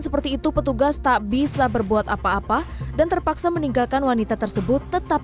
seperti itu petugas tak bisa berbuat apa apa dan terpaksa meninggalkan wanita tersebut tetap